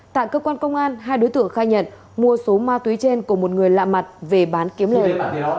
tại cơ quan công an hai đối tượng khai nhận mua số ma túy trên của một người lạ mặt về bán kiếm lời